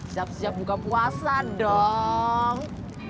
siap siap buka puasa dong